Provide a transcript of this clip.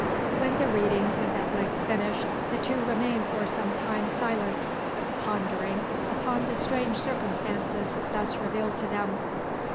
When the reading is at length finished, the two remain for some time silent, pondering upon the strange circumstances thus revealed to them.